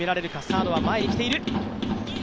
サードは前に来ている。